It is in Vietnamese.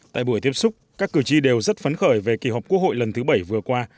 tại buổi tiếp xúc các cử tri đều rất phấn khởi về kỳ họp quốc hội lần thứ bảy vừa qua